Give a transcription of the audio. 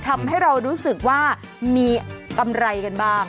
ทำให้เรารู้สึกว่ามีกำไรกันบ้าง